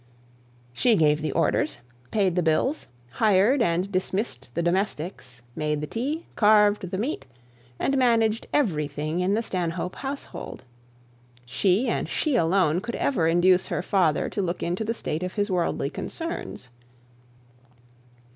She gave the orders, paid the bills, hired and dismissed the domestics, made the tea, carved the meat, and managed everything in the Stanhope household. She, and she alone, could ever induce her father to look into the state of his worldly concerns.